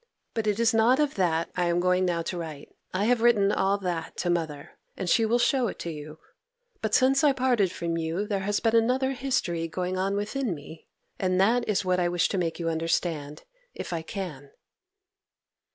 But it is not of that I am going now to write; I have written all that to mother, and she will show it to you: but since I parted from you there has been another history going on within me, and that is what I wish to make you understand if I can.